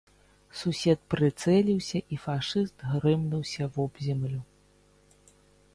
Сусед прыцэліўся, і фашыст грымнуўся вобземлю.